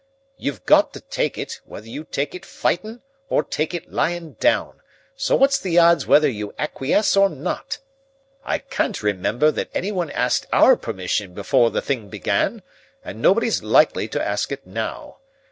"You've got to take it, whether you take it fightin' or take it lyin' down, so what's the odds whether you acquiesce or not? "I can't remember that anyone asked our permission before the thing began, and nobody's likely to ask it now.